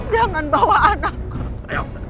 jangan bawa anakku